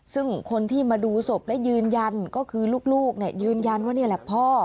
ซึ่งคนที่มาดูศพและยืนยันก็คือลูกยืนยันว่านี่แหละพ่อ